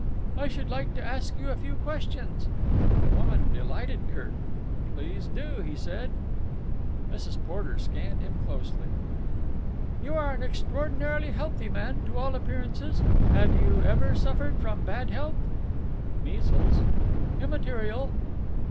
"I should like to ask you a few questions." This woman delighted Kirk. "Please do," he said. Mrs. Porter scanned him closely. "You are an extraordinarily healthy man, to all appearances. Have you ever suffered from bad health?" "Measles." "Immaterial."